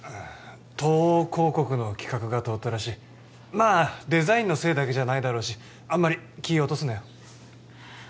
東央広告の企画が通ったらしいまあデザインのせいだけじゃないだろうしあんまり気落とすなよ